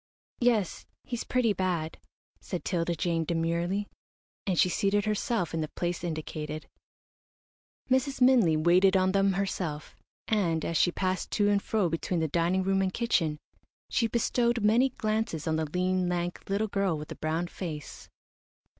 "Yes, he's pretty bad," said 'Tilda Jane, demurely; and she seated herself in the place indicated. Mrs. Minley waited on them herself, and, as she passed to and fro between the dining room and kitchen, she bestowed many glances on the lean, lank, little girl with the brown face.